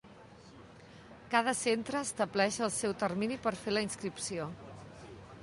Cada centre estableix el seu termini per fer la inscripció.